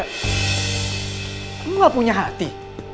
kamu gak punya hati